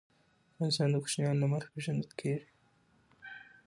افغانستان د کوچیانو له مخي پېژندل کېږي.